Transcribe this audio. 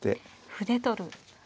歩で取る。